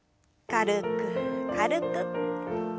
軽く軽く。